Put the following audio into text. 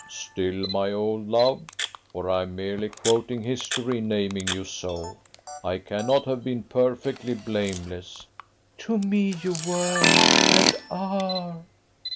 "Still, my old love! for I am merely quoting history in naming you so I cannot have been perfectly blameless." "To me you were, and are."